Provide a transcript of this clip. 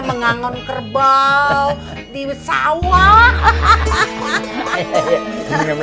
mengangon kerbau di sawah